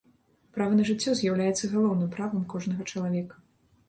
Права на жыццё з'яўляецца галоўным правам кожнага чалавека.